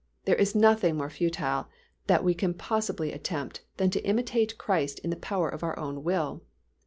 There is nothing more futile that we can possibly attempt than to imitate Christ in the power of our own will.